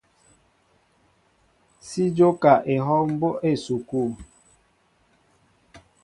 Si jóka ehɔw mbóʼ á esukul.